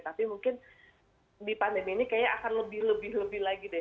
tapi mungkin di pandemi ini kayaknya akan lebih lebih lebih lagi deh